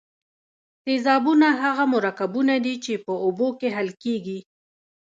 تیزابونه هغه مرکبونه دي چې په اوبو کې حل کیږي.